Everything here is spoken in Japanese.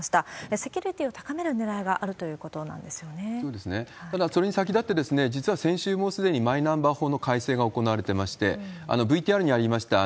セキュリティーを高めるねらいがただ、それに先立って、実は先週、もうすでにマイナンバー法の改正が行われてまして、ＶＴＲにありました